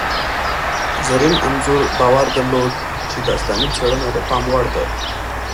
زرین انځور باور درلود چي داستاني څېړنه د پام وړ ده.